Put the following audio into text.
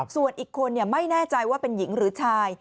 ส่วนอีกคนไม่แน่ใจว่าเป็นหญิงหรือชาย